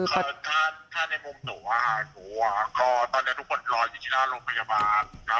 ถ้าในมุมหนูอาหารหนูอ่ะก็ตอนนี้ทุกคนรออยู่ที่ราชโรงพยาบาลนะครับ